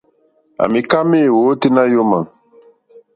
À mìká méèwó óténá yǒmà.